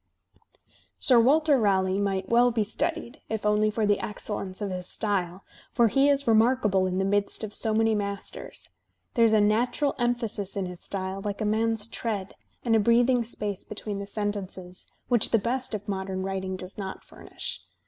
"Sir Walter Raleigh might well be studied, if only for the excellence of his style, for he is remarkable in the midst of so many masters. There is a natural emphasis in his style, like a man's tread, and a breathing space between the sentences, which the best of modem writing does not furnish.